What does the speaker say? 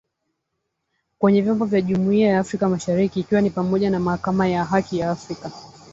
kwenye vyombo vya jumuia ya Afrika mashariki ikiwa ni pamoja na Mahakama ya Haki ya Afrika